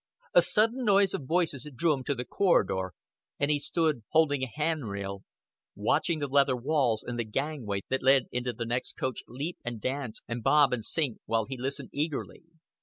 A sudden noise of voices drew him to the corridor; and he stood holding a hand rail, watching the leather walls and the gangway that led into the next coach leap and dance and bob and sink, while he listened eagerly.